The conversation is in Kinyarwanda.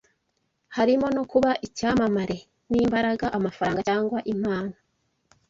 harimo no kuba icyamamare n’ imbaraga, amafaranga, cyangwa impano